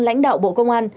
lãnh đạo bộ công an